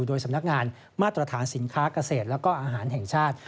โดยสำนักงานมาตรฐานสินค้าเกษตรแล้วก็อาหารแห่งชาติ